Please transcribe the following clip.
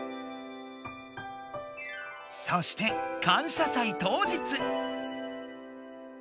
そして感謝祭当日。